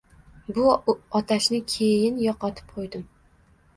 Bu otashni keyin yo’qotib qo’ydim